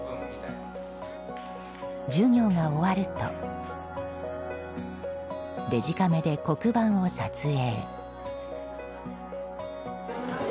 授業が終わるとデジカメで黒板を撮影。